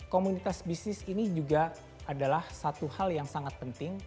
komunitas bisnis ini juga adalah satu hal yang sangat penting